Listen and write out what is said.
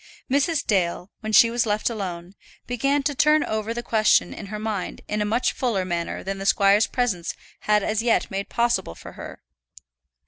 Mrs. Dale, when she was left alone, began to turn over the question in her mind in a much fuller manner than the squire's presence had as yet made possible for her.